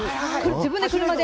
自分で車で。